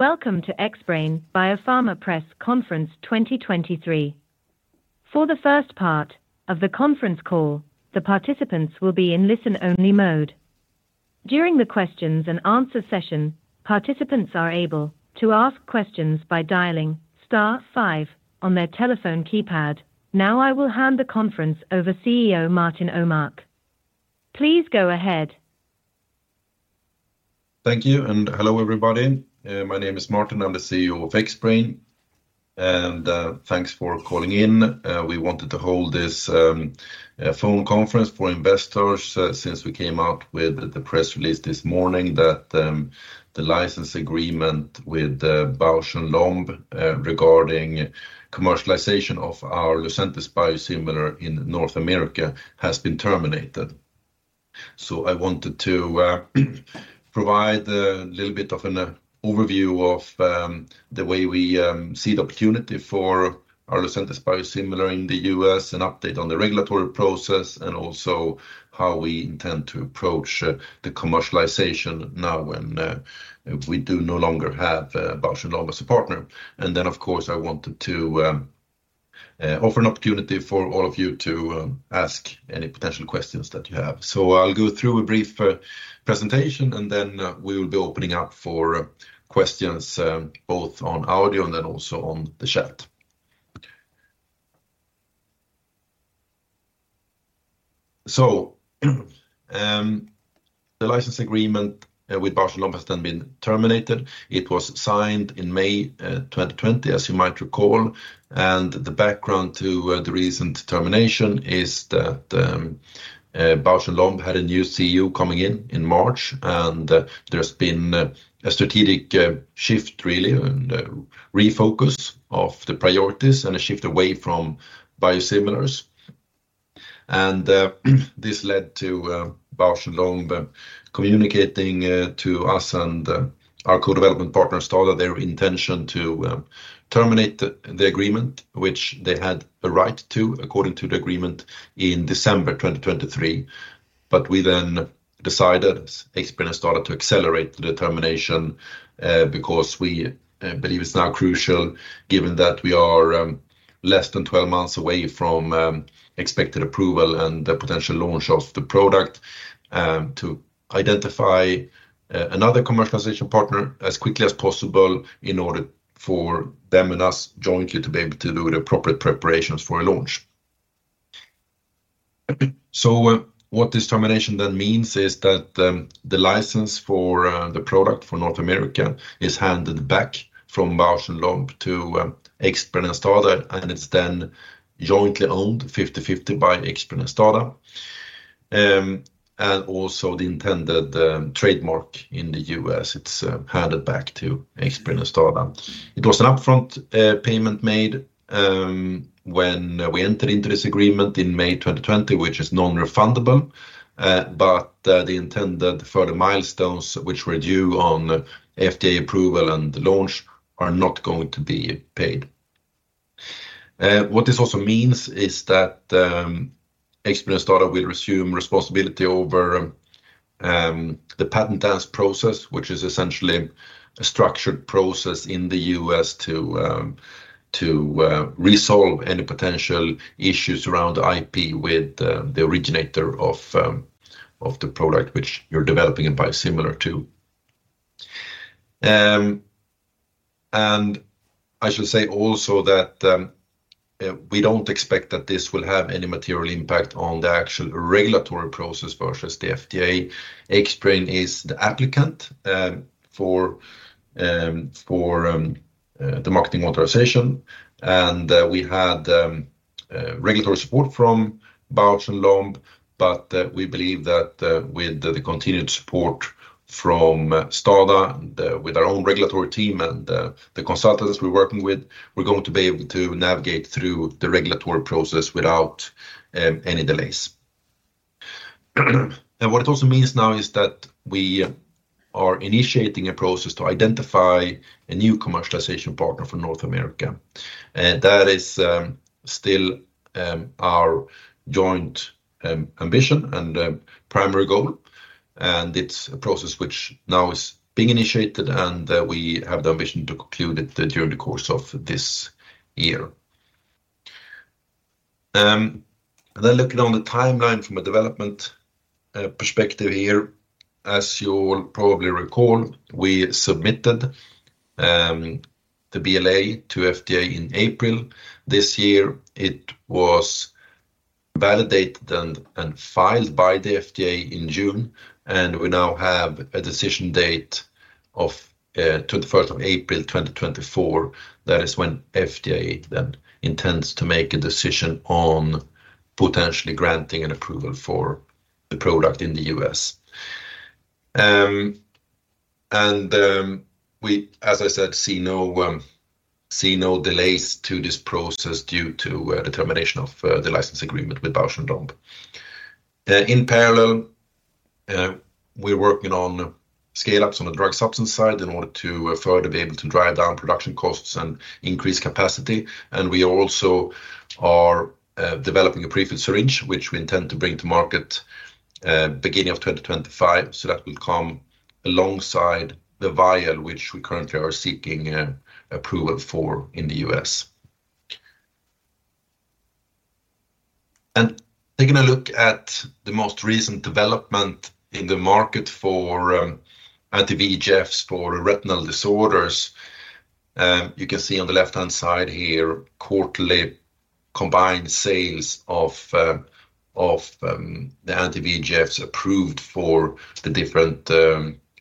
Welcome to Xbrane Biopharma Press Conference 2023. For the first part of the conference call, the participants will be in listen-only mode. During the questions and answer session, participants are able to ask questions by dialing star five on their telephone keypad. Now, I will hand the conference over CEO Martin Åmark. Please go ahead. Thank you and hello, everybody. My name is Martin. I'm the CEO of Xbrane, and thanks for calling in. We wanted to hold this phone conference for investors, since we came out with the press release this morning, that the license agreement with Bausch + Lomb, regarding commercialization of our Lucentis biosimilar in North America, has been terminated. I wanted to provide a little bit of an overview of the way we see the opportunity for our Lucentis biosimilar in the U.S., an update on the regulatory process, and also how we intend to approach the commercialization now, when we do no longer have Bausch + Lomb as a partner. Of course, I wanted to offer an opportunity for all of you to ask any potential questions that you have. I'll go through a brief presentation, and then we will be opening up for questions, both on audio and then also on the chat. The license agreement with Bausch + Lomb has then been terminated. It was signed in May 2020, as you might recall. The background to the recent termination is that Bausch + Lomb had a new CEO coming in in March. There's been a strategic shift, really, and a refocus of the priorities and a shift away from biosimilars. This led to Bausch + Lomb communicating to us and our co-development partner, STADA, their intention to terminate the agreement, which they had a right to, according to the agreement in December 2023. We decided Xbrane and STADA to accelerate the termination because we believe it's now crucial, given that we are less than 12 months away from expected approval and the potential launch of the product, to identify another commercialization partner as quickly as possible in order for them and us jointly to be able to do the appropriate preparations for a launch. What this termination means is that the license for the product for North America is handed back from Bausch + Lomb to Xbrane and STADA, and it's jointly owned 50/50 by Xbrane and STADA. Also the intended trademark in the U.S., it's handed back to Xbrane and STADA. It was an upfront payment made when we entered into this agreement in May 2020, which is non-refundable, but the intended further milestones, which were due on FDA approval and launch, are not going to be paid. What this also means is that Xbrane and STADA will resume responsibility over the patent dance process, which is essentially a structured process in the U.S. to resolve any potential issues around IP with the originator of the product which you're developing a biosimilar to. I should say also that we don't expect that this will have any material impact on the actual regulatory process versus the FDA. Xbrane is the applicant for the marketing authorisation, and we had regulatory support from Bausch + Lomb, but we believe that with the continued support from STADA, with our own regulatory team and the consultants we're working with, we're going to be able to navigate through the regulatory process without any delays. What it also means now is that we are initiating a process to identify a new commercialization partner for North America, and that is still our joint ambition and primary goal. It's a process which now is being initiated, and we have the ambition to conclude it during the course of this year. Looking on the timeline from a development perspective here, as you will probably recall, we submitted the BLA to FDA in April this year. It was validated and filed by the FDA in June, and we now have a decision date of 21st of April 2024. That is when FDA then intends to make a decision on potentially granting an approval for the product in the US. We, as I said, see no delays to this process due to the termination of the license agreement with Bausch + Lomb. In parallel, we're working on scale-ups on the drug substance side in order to further be able to drive down production costs and increase capacity. We also are developing a prefilled syringe, which we intend to bring to market beginning of 2025. That will come alongside the vial, which we currently are seeking approval for in the U.S. Taking a look at the most recent development in the market for anti-VEGFs for retinal disorders, you can see on the left-hand side here, quarterly combined sales of the anti-VEGFs approved for the different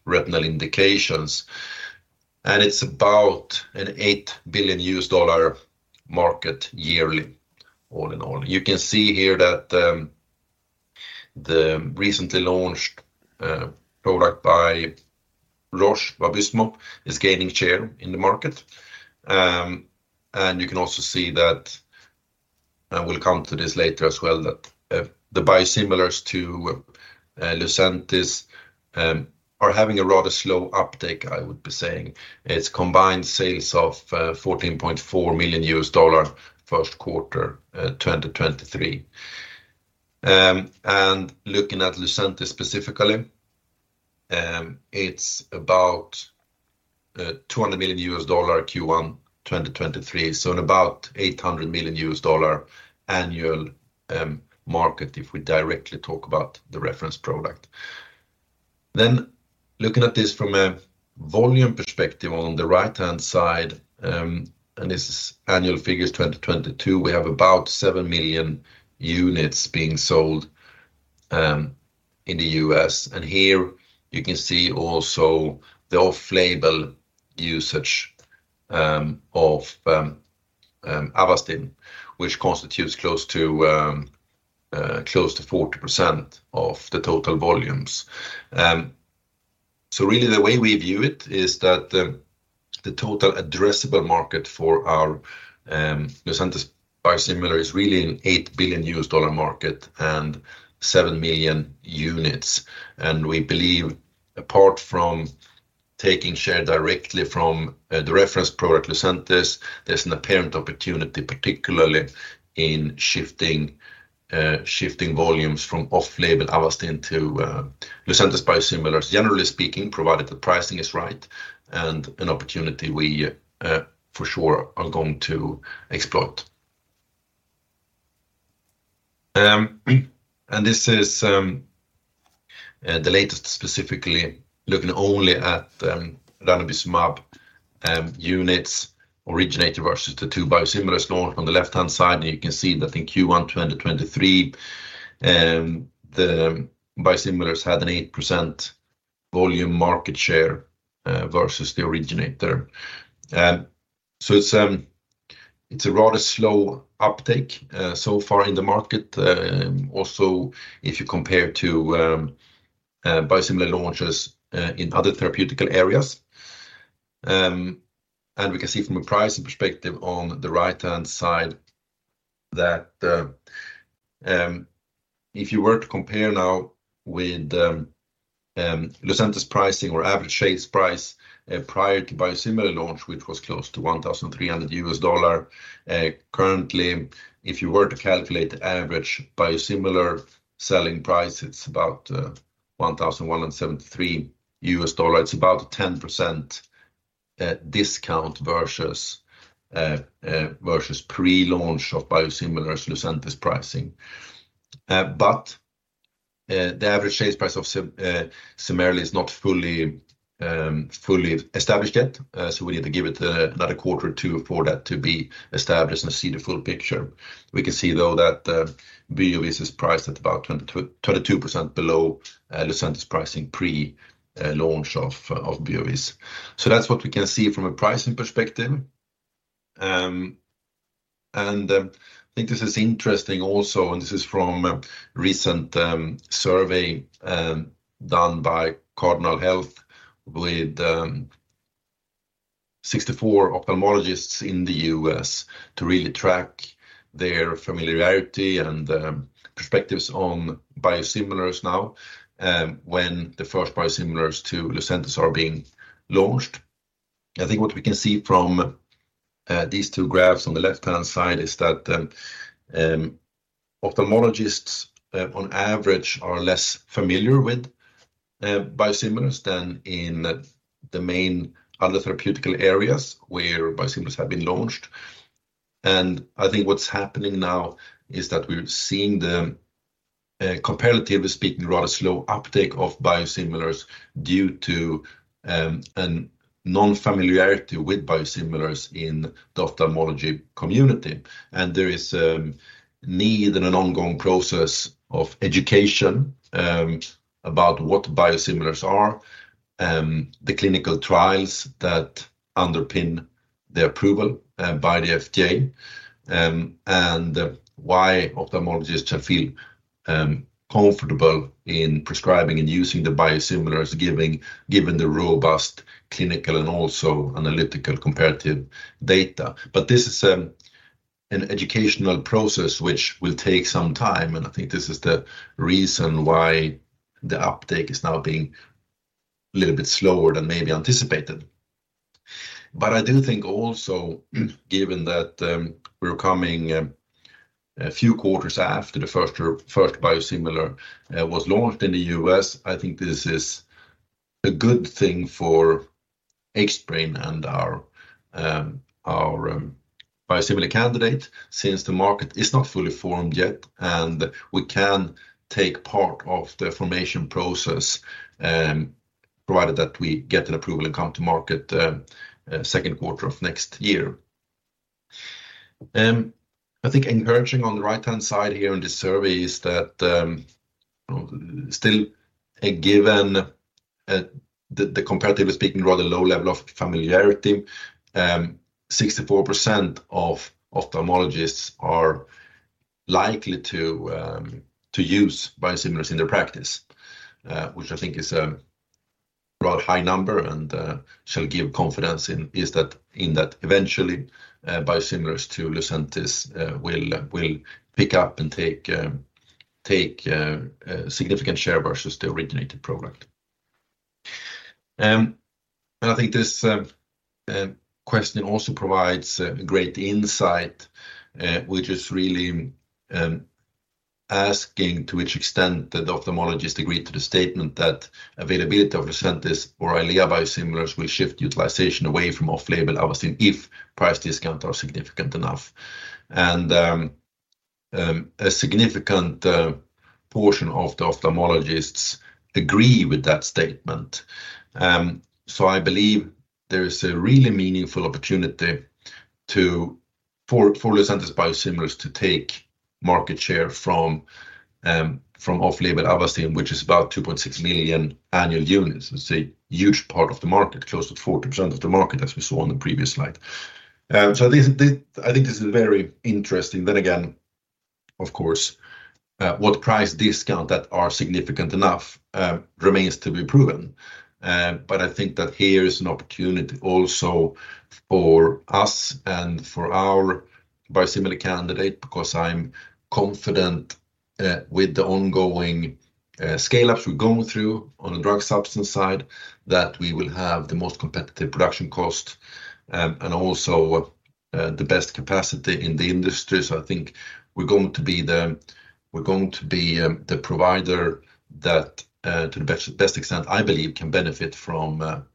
retinal indications. It's about an $8 billion market yearly, all in all. You can see here that the recently launched product by Roche, Vabysmo, is gaining share in the market. You can also see that, and we'll come to this later as well, that the biosimilars to Lucentis are having a rather slow uptake, I would be saying. It's combined sales of $14.4 million, Q1 2023. Looking at Lucentis specifically, it's about $200 million Q1 2023, so in about $800 million annual market, if we directly talk about the reference product. Looking at this from a volume perspective on the right-hand side, and this is annual figures 2022, we have about 7 million units being sold in the U.S. Here you can see also the off-label usage of Avastin, which constitutes close to 40% of the total volumes. Really, the way we view it is that the total addressable market for our Lucentis biosimilar is really an $8 billion market and 7 million units. We believe, apart from taking share directly from the reference product, Lucentis, there's an apparent opportunity, particularly in shifting volumes from off-label Avastin to Lucentis biosimilars. Generally speaking, provided the pricing is right and an opportunity we for sure are going to exploit. This is the latest, specifically looking only at ranibizumab units originator versus the two biosimilars. On the left-hand side, you can see that in Q1, 2023, the biosimilars had an 8% volume market share versus the originator. It's a rather slow uptake so far in the market. Also, if you compare to biosimilar launches in other therapeutical areas. We can see from a pricing perspective on the right-hand side, that if you were to compare now with Lucentis' pricing or average sales price prior to biosimilar launch, which was close to $1,300, currently, if you were to calculate the average biosimilar selling price, it's about $1,173. It's about a 10% discount versus pre-launch of biosimilars Lucentis pricing. The average sales price of Cimerli is not fully established yet, so we need to give it another quarter or two for that to be established and see the full picture. We can see, though, that Byooviz is priced at about 22% below Lucentis' pricing pre-launch of Byooviz. That's what we can see from a pricing perspective. I think this is interesting also, and this is from a recent survey done by Cardinal Health with 64 ophthalmologists in the US to really track their familiarity and perspectives on biosimilars now when the first biosimilars to Lucentis are being launched. I think what we can see from these two graphs on the left-hand side is that ophthalmologists, on average, are less familiar with biosimilars than in the main other therapeutical areas where biosimilars have been launched. I think what's happening now is that we're seeing the comparatively speaking, rather slow uptake of biosimilars due to a non-familiarity with biosimilars in the ophthalmology community. There is need and an ongoing process of education about what biosimilars are, the clinical trials that underpin the approval by the FDA, and why ophthalmologists should feel comfortable in prescribing and using the biosimilars, given the robust clinical and also analytical comparative data. This is an educational process, which will take some time, and I think this is the reason why the uptake is now being a little bit slower than maybe anticipated. I do think also, given that we're coming a few quarters after the first or first biosimilar was launched in the US, I think this is a good thing for. Xbrane and our biosimilar candidate, since the market is not fully formed yet, and we can take part of the formation process, provided that we get an approval and come to market, second quarter of next year. I think encouraging on the right-hand side here in this survey is that, still a given, comparatively speaking, rather low level of familiarity, 64% of ophthalmologists are likely to use biosimilars in their practice. Which I think is a rather high number and shall give confidence that eventually, biosimilars to Lucentis will pick up and take a significant share versus the originated product. I think this question also provides great insight, which is really asking to which extent that ophthalmologists agree to the statement that availability of Lucentis or Eylea biosimilars will shift utilization away from off-label Avastin if price discount are significant enough. A significant portion of the ophthalmologists agree with that statement. I believe there is a really meaningful opportunity to, for Lucentis biosimilars to take market share from off-label Avastin, which is about 2.6 million annual units. It's a huge part of the market, close to 40% of the market, as we saw on the previous slide. This, I think this is very interesting. Of course, what price discount that are significant enough remains to be proven. I think that here is an opportunity also for us and for our biosimilar candidate, because I'm confident with the ongoing scale-ups we're going through on the drug substance side, that we will have the most competitive production cost, and also the best capacity in the industry. I think we're going to be the provider that to the best extent, I believe, can benefit from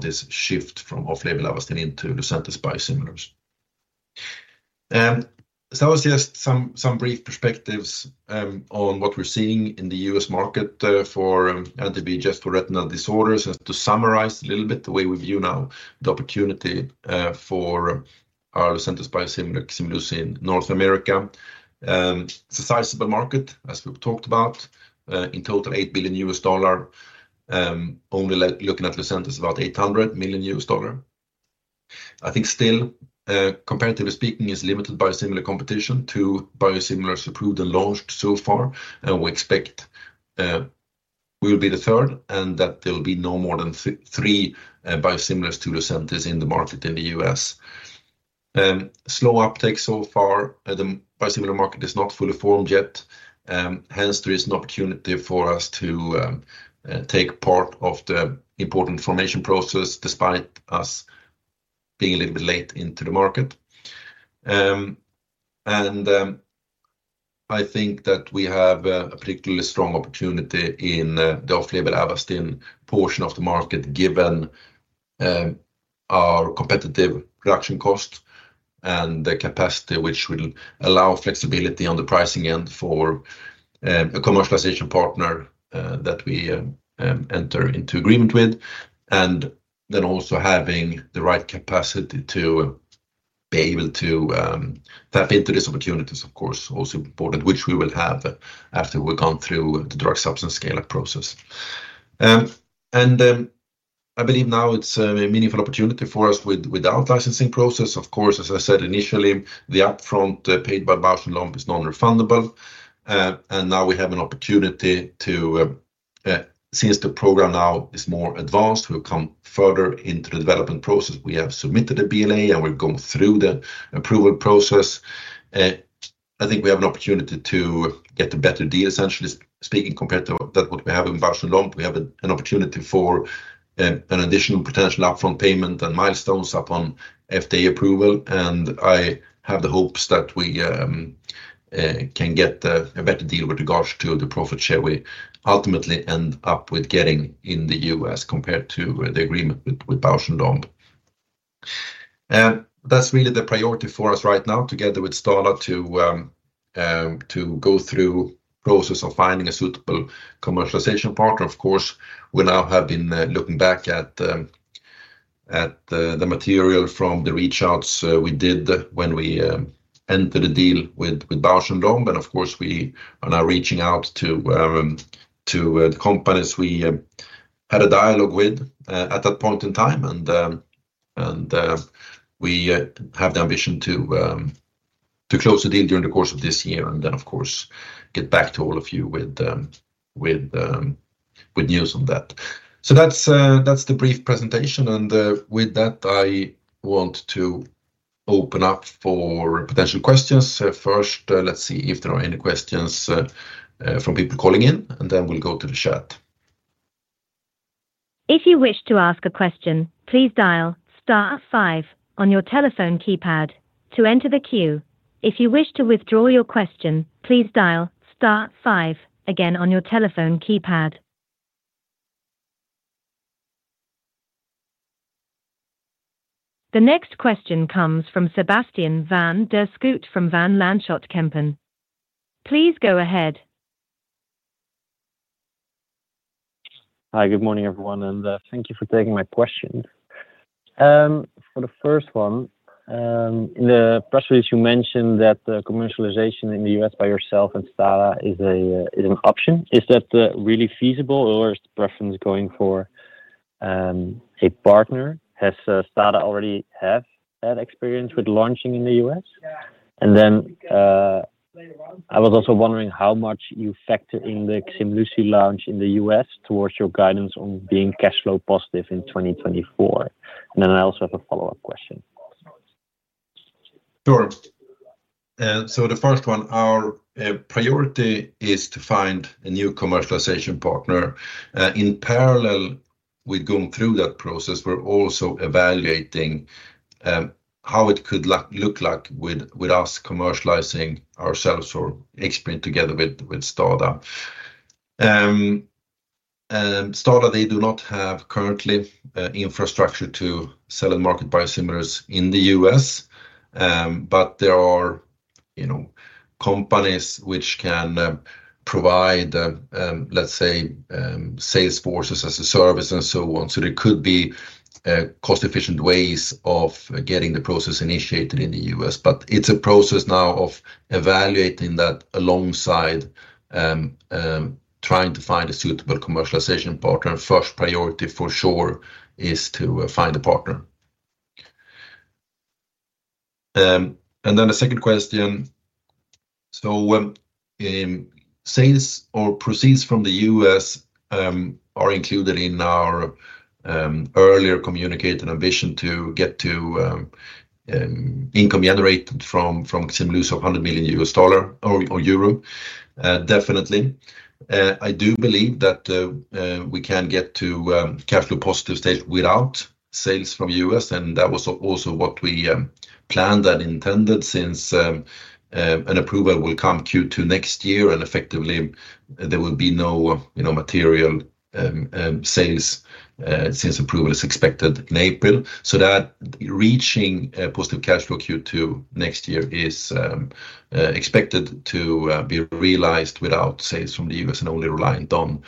this shift from off-label Avastin into Lucentis biosimilars. That was just some brief perspectives on what we're seeing in the U.S. market for anti-VEGF for retinal disorders. To summarize a little bit, the way we view now, the opportunity for our Lucentis biosimilar, Ximluci, in North America. It's a sizable market, as we've talked about. In total, $8 billion. Only like looking at Lucentis, about $800 million. I think still, comparatively speaking, is limited by similar competition to biosimilars approved and launched so far. We expect we'll be the third, that there will be no more than 3 biosimilars to Lucentis in the market in the US. Slow uptake so far, the biosimilar market is not fully formed yet. There is an opportunity for us to take part of the important formation process, despite us being a little bit late into the market. I think that we have a particularly strong opportunity in the off-label Avastin portion of the market, given our competitive production cost and the capacity which will allow flexibility on the pricing end for a commercialization partner that we enter into agreement with. Also having the right capacity to be able to tap into these opportunities, of course, also important, which we will have after we've gone through the drug substance scale-up process. I believe now it's a meaningful opportunity for us with our licensing process. Of course, as I said initially, the upfront paid by Bausch + Lomb is non-refundable, and now we have an opportunity to Since the program now is more advanced, we've come further into the development process. We have submitted a BLA, and we've gone through the approval process. I think we have an opportunity to get a better deal, essentially speaking, compared to that what we have in Bausch + Lomb. We have an opportunity for an additional potential upfront payment and milestones upon FDA approval. I have the hopes that we can get a better deal with regards to the profit share we ultimately end up with getting in the US, compared to the agreement with Bausch + Lomb. That's really the priority for us right now, together with STADA, to go through process of finding a suitable commercialization partner. Of course, we now have been looking back at the material from the reach-outs we did when we entered a deal with Bausch + Lomb. Of course, we are now reaching out to the companies we had a dialogue with at that point in time. We have the ambition to close the deal during the course of this year, and then, of course, get back to all of you with news on that. That's the brief presentation, and with that, I want to open up for potential questions. First, let's see if there are any questions from people calling in, and then we'll go to the chat. If you wish to ask a question, please dial star five on your telephone keypad to enter the queue. If you wish to withdraw your question, please dial star five again on your telephone keypad. The next question comes from Sebastiaan van der Schoot from Van Lanschot Kempen. Please go ahead. Hi. Good morning, everyone, thank you for taking my question. For the first one, in the press release, you mentioned that the commercialization in the U.S. by yourself and STADA is an option. Is that really feasible, or is the preference going for a partner? Has STADA already had experience with launching in the U.S.? I was also wondering how much you factor in the Ximluci launch in the U.S. towards your guidance on being cash flow positive in 2024. I also have a follow-up question. Sure. The first one, our priority is to find a new commercialization partner. In parallel with going through that process, we're also evaluating how it could look like with us commercializing ourselves or Xbrane together with STADA. STADA, they do not have currently infrastructure to sell and market biosimilars in the U.S. There are, you know, companies which can provide, let's say, sales forces as a service and so on. There could be cost-efficient ways of getting the process initiated in the U.S. It's a process now of evaluating that alongside trying to find a suitable commercialization partner. First priority, for sure, is to find a partner. The second question. Sales or proceeds from the U.S. are included in our earlier communicated ambition to get to income generated from Ximluci of $100 million or EUR 100 million. Definitely. I do believe that we can get to cash flow positive state without sales from U.S., and that was also what we planned and intended, since an approval will come Q2 next year, and effectively, there will be no, you know, material sales, since approval is expected in April. Reaching a positive cash flow Q2 next year is expected to be realized without sales from the U.S. and only reliant on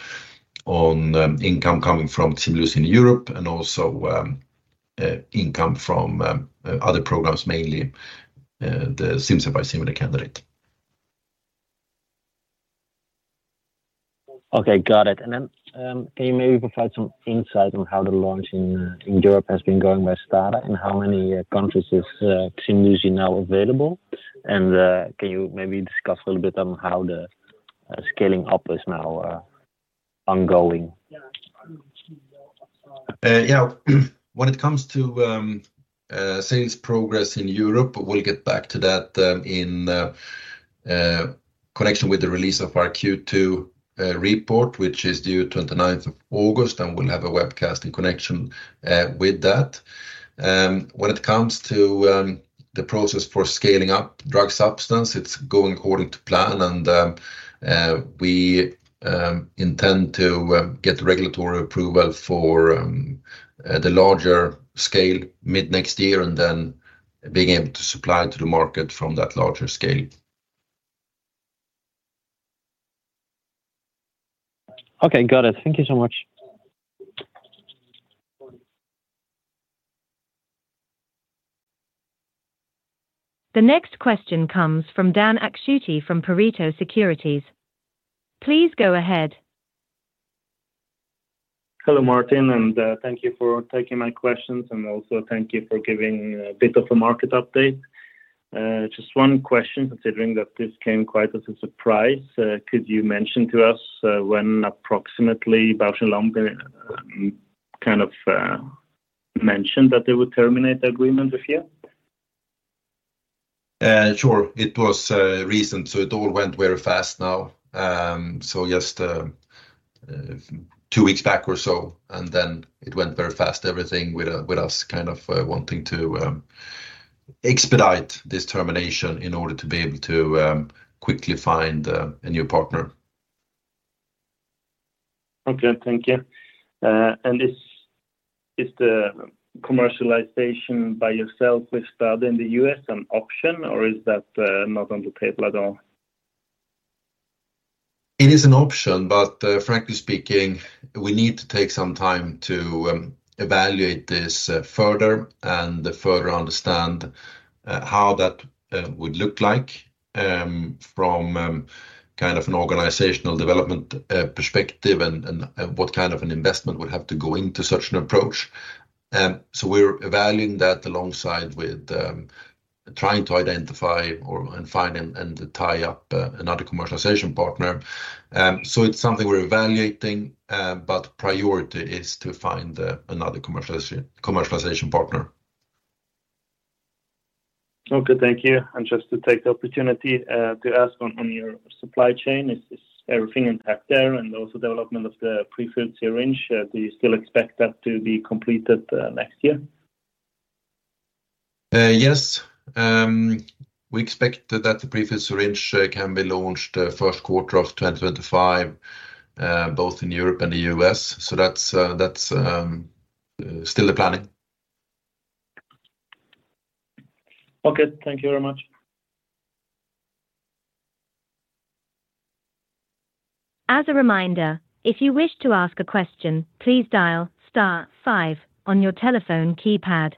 income coming from Ximluci in Europe and also income from other programs, mainly the Xcimzia biosimilar candidate. Okay, got it. Can you maybe provide some insight on how the launch in Europe has been going by STADA, and how many countries is Ximluci now available? Can you maybe discuss a little bit on how the scaling up is now ongoing? Yeah. When it comes to sales progress in Europe, we'll get back to that in connection with the release of our Q2 report, which is due 29th of August, and we'll have a webcast in connection with that. When it comes to the process for scaling up drug substance, it's going according to plan, and we intend to get regulatory approval for the larger scale mid-next year, and then being able to supply to the market from that larger scale. Okay, got it. Thank You so much. The next question comes from Dan Akschuti from Pareto Securities. Please go ahead. Hello, Martin, and thank you for taking my questions. Also thank you for giving a bit of a market update. Just one question, considering that this came quite as a surprise. Could you mention to us, when approximately Bausch + Lomb kind of, mentioned that they would terminate the agreement with you? Sure. It was recent, so it all went very fast now. Just two weeks back or so, and then it went very fast, everything, with us kind of wanting to expedite this termination in order to be able to quickly find a new partner. Okay, thank you. Is the commercialization by yourself with STADA in the U.S. an option, or is that not on the table at all? It is an option, but frankly speaking, we need to take some time to evaluate this further and further understand how that would look like from kind of an organizational development perspective and what kind of an investment would have to go into such an approach. We're evaluating that alongside with trying to identify or, and find and tie up another commercialization partner. It's something we're evaluating, but priority is to find another commercialization partner. Okay, thank you. Just to take the opportunity to ask on your supply chain, is everything intact there, and also development of the prefilled syringe, do you still expect that to be completed next year? Yes. We expect that the prefilled syringe can be launched Q1 of 2025, both in Europe and the US. That's still the planning. Okay. Thank you very much. As a reminder, if you wish to ask a question, please dial star 5 on your telephone keypad.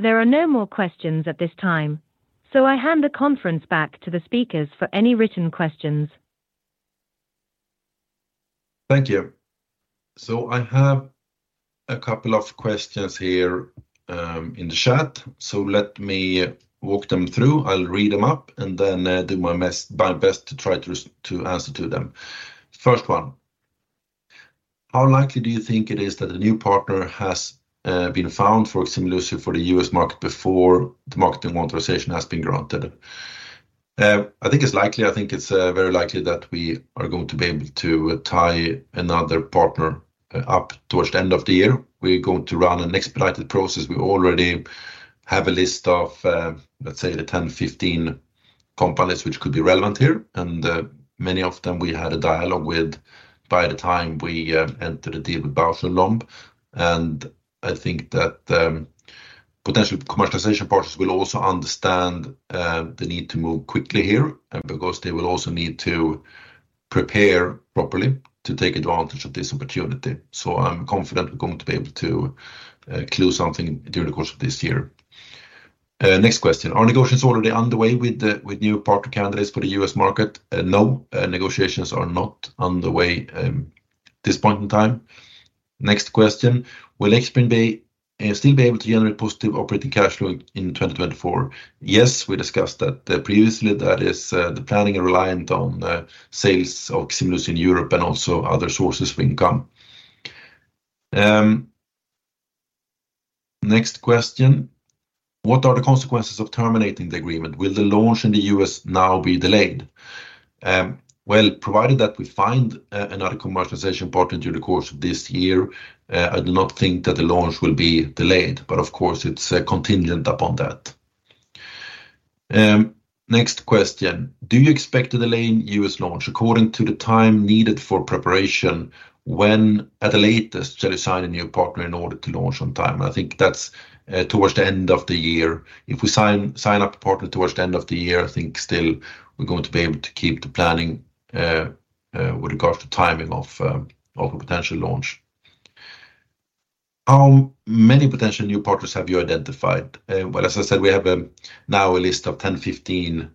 There are no more questions at this time, I hand the conference back to the speakers for any written questions. Thank you. I have a couple of questions here in the chat. Let me walk them through. I'll read them up and then do my best to try to answer to them. First one: How likely do you think it is that a new partner has been found for Ximluci for the U.S. market before the marketing authorisation has been granted? I think it's likely. I think it's very likely that we are going to be able to tie another partner up towards the end of the year. We're going to run an expedited process. We already have a list of, let's say, the 10, 15 companies which could be relevant here, and many of them we had a dialogue with by the time we entered the deal with Bausch + Lomb. I think that potential commercialization partners will also understand the need to move quickly here, because they will also need to prepare properly to take advantage of this opportunity. I'm confident we're going to be able to close something during the course of this year. Next question. Are negotiations already underway with new partner candidates for the U.S. market? No, negotiations are not underway at this point in time. Next question, will X-SPIN still be able to generate positive operating cash flow in 2024? Yes, we discussed that previously. That is, the planning is reliant on sales of Ximluci in Europe and also other sources of income. Next question: What are the consequences of terminating the agreement? Will the launch in the U.S. now be delayed? Well, provided that we find another commercialization partner during the course of this year, I do not think that the launch will be delayed, but of course, it's contingent upon that. Next question: Do you expect a delay in U.S. launch according to the time needed for preparation, when at the latest to sign a new partner in order to launch on time? I think that's towards the end of the year. If we sign up a partner towards the end of the year, I think still we're going to be able to keep the planning with regards to timing of a potential launch. How many potential new partners have you identified? As I said, we have now a list of 10, 15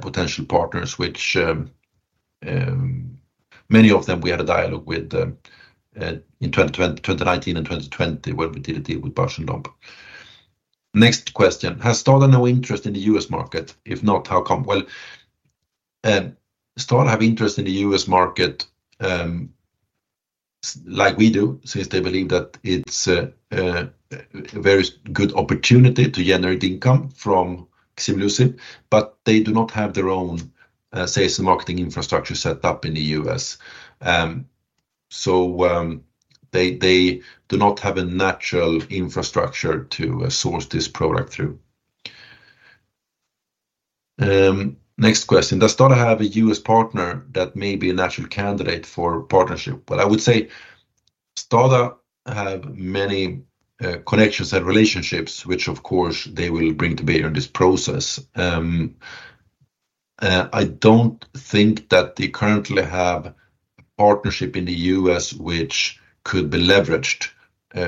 potential partners, which many of them we had a dialogue with in 2020, 2019 and 2020, when we did a deal with Bausch + Lomb. Next question: Has STADA no interest in the U.S. market? If not, how come? STADA have interest in the U.S. market, like we do, since they believe that it's a very good opportunity to generate income from Ximluci, but they do not have their own sales and marketing infrastructure set up in the U.S. They do not have a natural infrastructure to source this product through. Next question: Does STADA have a U.S. partner that may be a natural candidate for partnership? Well, I would say STADA have many connections and relationships, which of course, they will bring to bear on this process. I don't think that they currently have a partnership in the U.S. which could be leveraged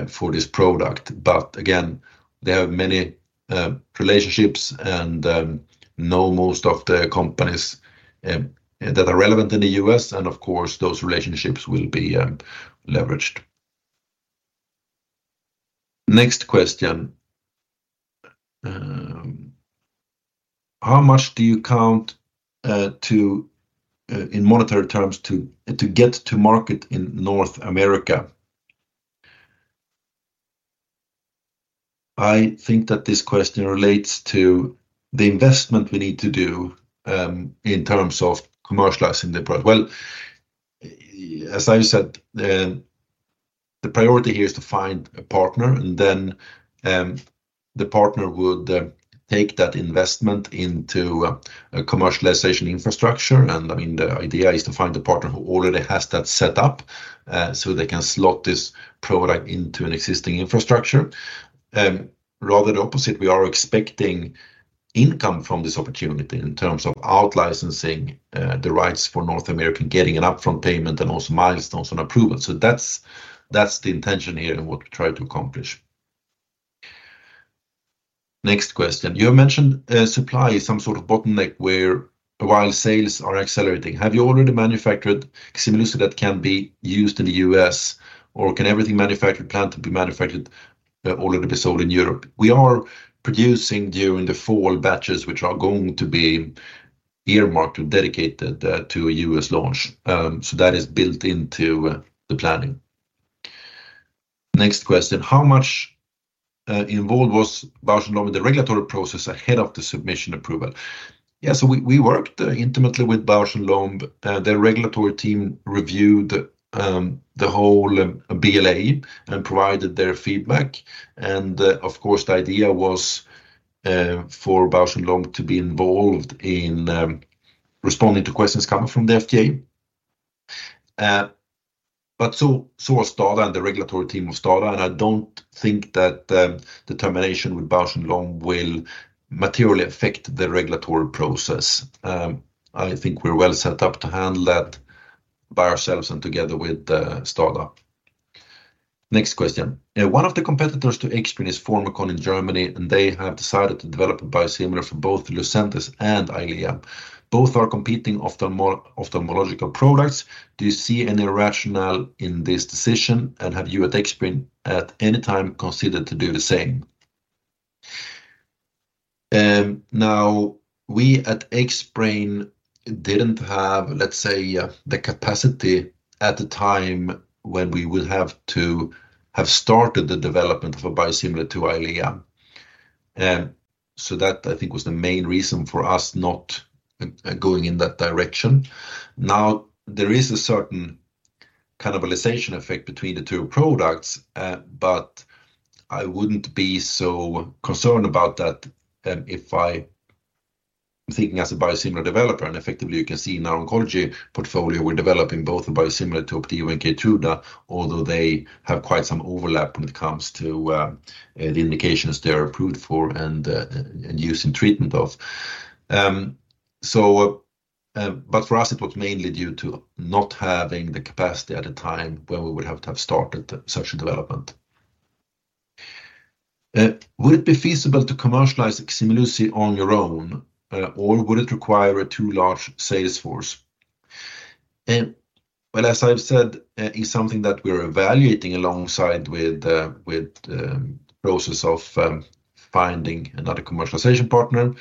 for this product. Again, they have many relationships and know most of the companies that are relevant in the U.S., and of course, those relationships will be leveraged. Next question: How much do you count in monetary terms to get to market in North America? I think that this question relates to the investment we need to do in terms of commercializing the product. Well, as I said, the priority here is to find a partner. Then, the partner would take that investment into a commercialization infrastructure. I mean, the idea is to find a partner who already has that set up, so they can slot this product into an existing infrastructure. Rather the opposite, we are expecting income from this opportunity in terms of outlicensing, the rights for North America, getting an upfront payment and also milestones on approval. That's, that's the intention here and what we try to accomplish. Next question: You mentioned, supply is some sort of bottleneck where while sales are accelerating, have you already manufactured Ximluci that can be used in the U.S., or can everything manufactured, planned to be manufactured already be sold in Europe? We are producing during the fall batches, which are going to be earmarked and dedicated to a U.S. launch. That is built into the planning. Next question. How much involved was Bausch + Lomb in the regulatory process ahead of the submission approval? We worked intimately with Bausch + Lomb. Their regulatory team reviewed the whole BLA and provided their feedback. Of course, the idea was for Bausch + Lomb to be involved in responding to questions coming from the FDA. So was STADA and the regulatory team of STADA. I don't think that the termination with Bausch + Lomb will materially affect the regulatory process. I think we're well set up to handle that by ourselves and together with STADA. Next question. One of the competitors to Xbrane is Formycon in Germany. They have decided to develop a biosimilar for both Lucentis and Eylea. Both are competing ophthalmological products. Do you see any rationale in this decision, and have you at Xbrane at any time considered to do the same? We at Xbrane didn't have, let's say, the capacity at the time when we will have to have started the development of a biosimilar to Eylea. That, I think, was the main reason for us not going in that direction. There is a certain cannibalization effect between the two products, but I wouldn't be so concerned about that if I'm thinking as a biosimilar developer. Effectively, you can see in our oncology portfolio, we're developing both a biosimilar to Opdivo and Keytruda, although they have quite some overlap when it comes to the indications they are approved for and use and treatment of. For us, it was mainly due to not having the capacity at the time when we would have to have started such a development. Would it be feasible to commercialize Ximluci on your own, or would it require a too large sales force? Well, as I've said, it's something that we're evaluating alongside with, the process of, finding another commercialization partner.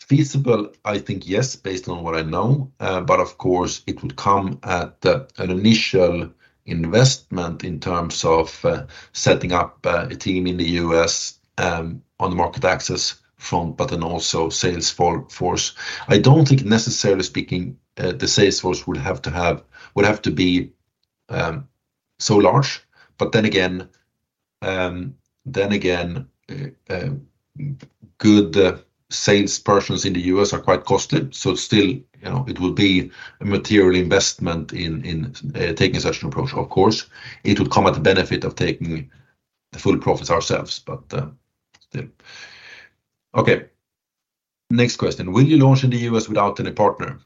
Feasible? I think, yes, based on what I know, but of course, it would come at, an initial investment in terms of, setting up, a team in the U.S., on the market access front, but then also sales force. I don't think, necessarily speaking, the sales force would have to have, would have to be, so large. Then again, good salespersons in the U.S. are quite costly, so still, you know, it would be a material investment in taking such an approach. Of course, it would come at the benefit of taking the full profits ourselves, still. Okay, next question. Will you launch in the U.S. without any partner?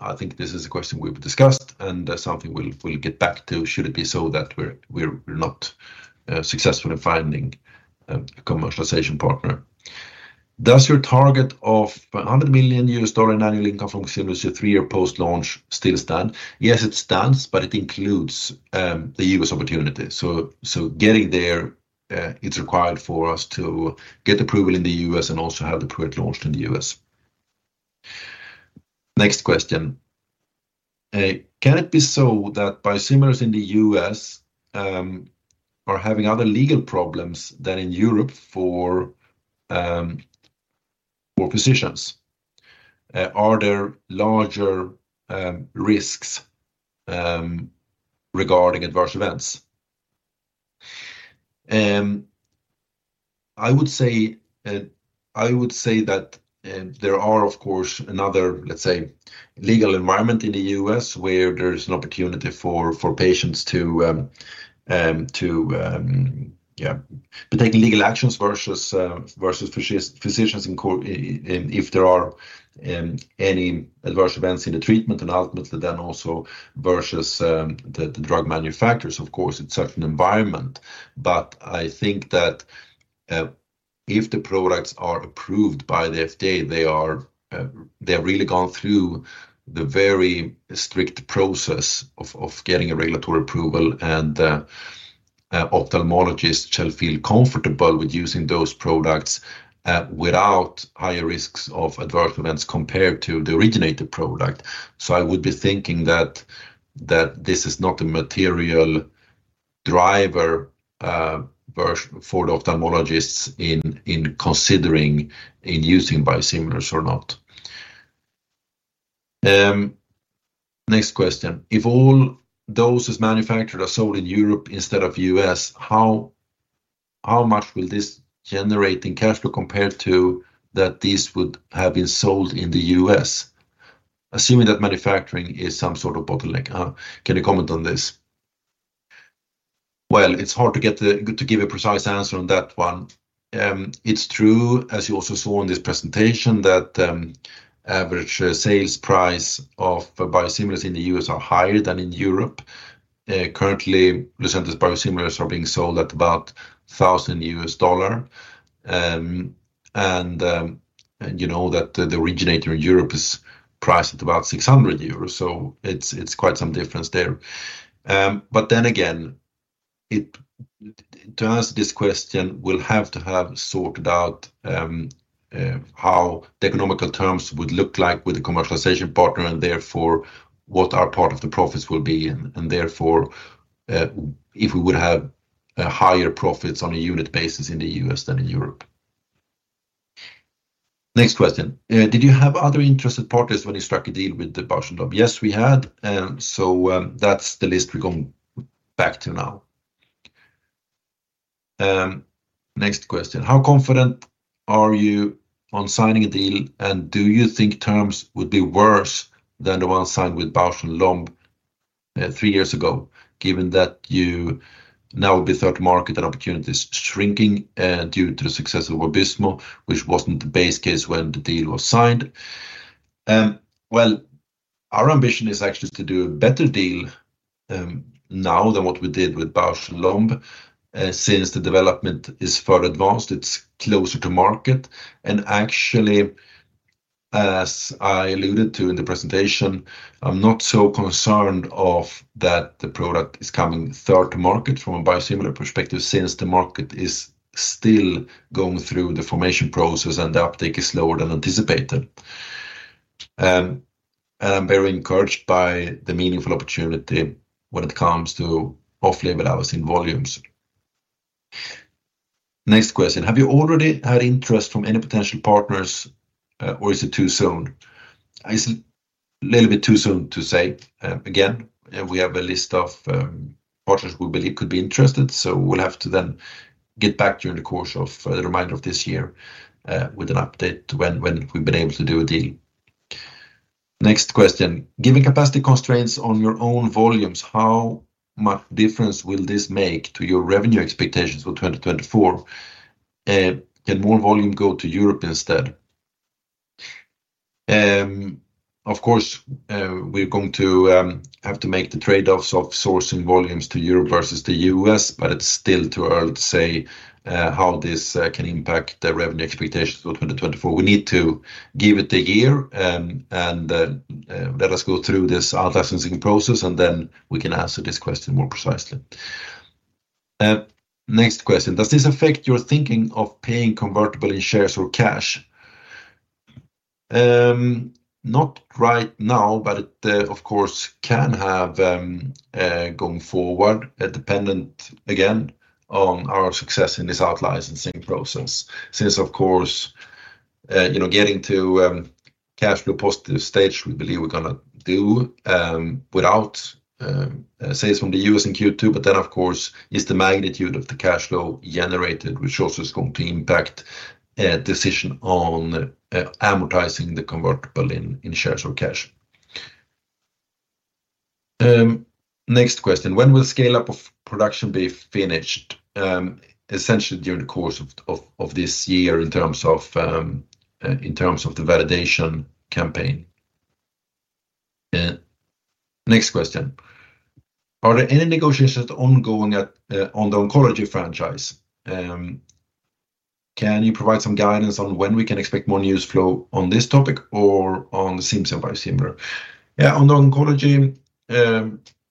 I think this is a question we've discussed, something we'll get back to, should it be so that we're not successful in finding a commercialization partner. Does your target of $100 million in annual income from Ximluci 3 year post-launch still stand? Yes, it stands, it includes the U.S. opportunity. Getting there, it's required for us to get approval in the U.S. and also have the product launched in the U.S. Next question. Can it be so that biosimilars in the U.S. are having other legal problems than in Europe for physicians? Are there larger risks regarding adverse events? I would say that there are, of course, another, let's say, legal environment in the U.S. where there is an opportunity for patients to, yeah, to take legal actions versus physicians in court, if there are any adverse events in the treatment and ultimately also versus the drug manufacturers, of course, it's such an environment. I think that, if the products are approved by the FDA, they are, they have really gone through the very strict process of getting a regulatory approval and ophthalmologists shall feel comfortable with using those products without higher risks of adverse events compared to the originator product. I would be thinking that this is not a material driver for the ophthalmologists in considering in using biosimilars or not. Next question. If all doses manufactured are sold in Europe instead of U.S., how much will this generate in cash flow compared to that these would have been sold in the U.S.? Assuming that manufacturing is some sort of bottleneck. Can you comment on this? Well, it's hard to get to give a precise answer on that one. It's true, as you also saw in this presentation, that average sales price of biosimilars in the U.S. are higher than in Europe. Currently, Lucentis biosimilars are being sold at about $1,000. You know that the originator in Europe is priced at about 600 euros, so it's quite some difference there. To answer this question, we'll have to have sorted out how the economical terms would look like with the commercialization partner, and therefore, what our part of the profits will be, and therefore, if we would have higher profits on a unit basis in the US than in Europe. Next question. Did you have other interested partners when you struck a deal with the Bausch + Lomb? Yes, we had. That's the list we're going back to now. Next question: How confident are you on signing a deal, and do you think terms would be worse than the one signed with Bausch + Lomb three years ago, given that you now will be third to market and opportunity is shrinking due to the success of Vabysmo, which wasn't the base case when the deal was signed? Well, our ambition is actually to do a better deal now than what we did with Bausch + Lomb, since the development is far advanced, it's closer to market. Actually, as I alluded to in the presentation, I'm not so concerned of that the product is coming third to market from a biosimilar perspective, since the market is still going through the formation process, and the uptake is slower than anticipated. I'm very encouraged by the meaningful opportunity when it comes to off-label use in volumes. Next question: Have you already had interest from any potential partners, or is it too soon? It's a little bit too soon to say. Again, we have a list of partners we believe could be interested, so we'll have to then get back to you in the course of the remainder of this year with an update when we've been able to do a deal. Next question: Given capacity constraints on your own volumes, how much difference will this make to your revenue expectations for 2024? Can more volume go to Europe instead? Of course, we're going to have to make the trade-offs of sourcing volumes to Europe versus the US, but it's still too early to say how this can impact the revenue expectations for 2024. We need to give it a year, and let us go through this out-licensing process, and then we can answer this question more precisely. Next question: Does this affect your thinking of paying convertible in shares or cash? Not right now. It, of course, can have going forward, dependent, again, on our success in this out-licensing process, since, of course, you know, getting to cash flow positive stage, we believe we're gonna do without sales from the US in Q2. Of course, is the magnitude of the cash flow generated, which also is going to impact a decision on amortizing the convertible in shares or cash. Next question: When will scale-up of production be finished? Essentially, during the course of this year, in terms of the validation campaign. Next question: Are there any negotiations ongoing on the oncology franchise? Can you provide some guidance on when we can expect more news flow on this topic or on Cimzia biosimilar? Yeah, on the oncology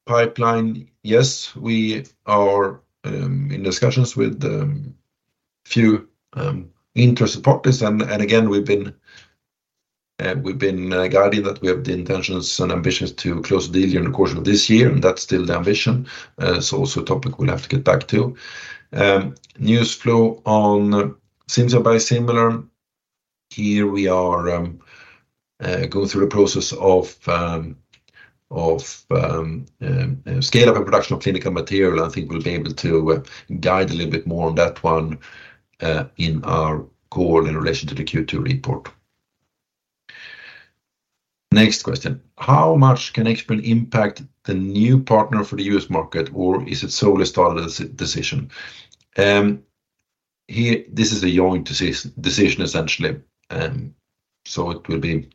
pipeline, yes, we are in discussions with a few interested parties, and again, we've been guiding that we have the intentions and ambitions to close the deal during the course of this year, and that's still the ambition. Also a topic we'll have to get back to. News flow on Cimzia biosimilar. Here we are going through the process of scale-up and production of clinical material. I think we'll be able to guide a little bit more on that one in our call in relation to the Q2 report. Next question: How much can Xbrane impact the new partner for the U.S. market, or is it solely Xbrane's decision? Here, this is a joint decision, essentially, it will be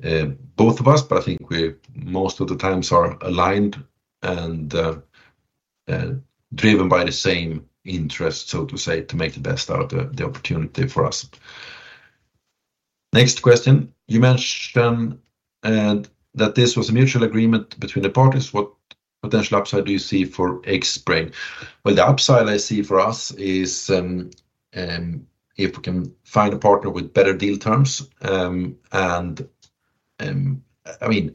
both of us, but I think we most of the times are aligned and driven by the same interest, so to say, to make the best out of the opportunity for us. Next question: You mentioned that this was a mutual agreement between the parties. What potential upside do you see for Xbrane? Well, the upside I see for us is, if we can find a partner with better deal terms. I mean,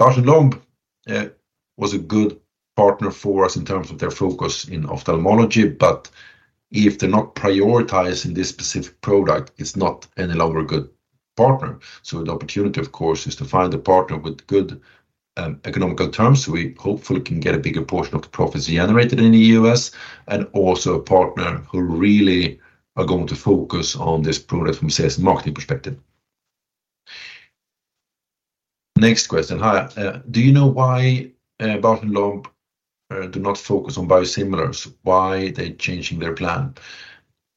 Bausch + Lomb was a good partner for us in terms of their focus in ophthalmology, but if they're not prioritizing this specific product, it's not any longer a good partner. The opportunity, of course, is to find a partner with good, economical terms, so we hopefully can get a bigger portion of the profits generated in the US, and also a partner who really are going to focus on this product from a sales and marketing perspective. Next question: Hi, do you know why Bausch + Lomb do not focus on biosimilars? Why are they changing their plan?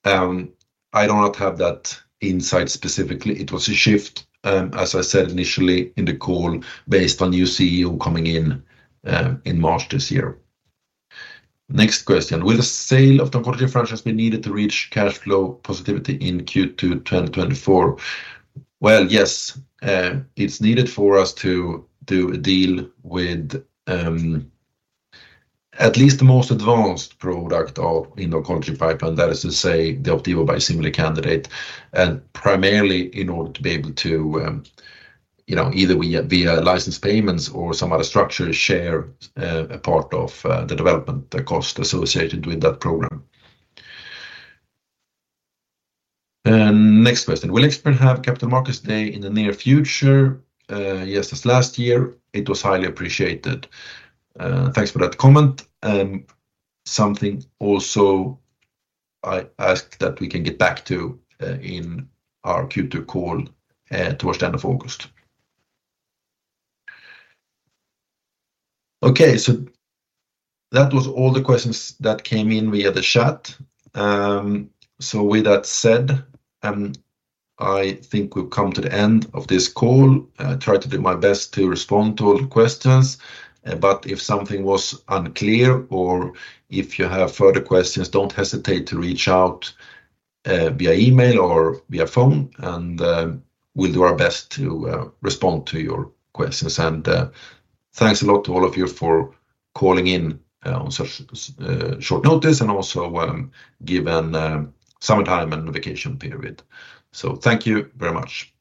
I do not have that insight specifically. It was a shift, as I said initially in the call, based on new CEO coming in March this year. Next question: Will the sale of the oncology franchise be needed to reach cash flow positivity in Q2 2024? Well, yes, it's needed for us to do a deal with, at least the most advanced product in oncology pipeline, that is to say, the Xdivane biosimilar candidate, and primarily in order to be able to, you know, either via license payments or some other structure, share a part of the development cost associated with that program. Next question: Will Xbrane have Capital Markets Day in the near future, yes, as last year, it was highly appreciated. Thanks for that comment, and something also I ask that we can get back to in our Q2 call towards the end of August. That was all the questions that came in via the chat. With that said, I think we've come to the end of this call. I tried to do my best to respond to all the questions, but if something was unclear or if you have further questions, don't hesitate to reach out via email or via phone, and we'll do our best to respond to your questions. Thanks a lot to all of you for calling in on such short notice and also given summertime and vacation period. Thank you very much.